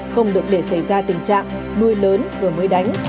không được để xảy ra tình trạng nuôi lớn rồi mới đánh